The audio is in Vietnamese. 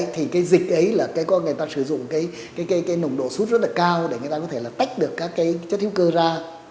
thì dịch ấy là người ta sử dụng nồng độ sút rất cao để người ta có thể tách được các chất thiếu cơ ra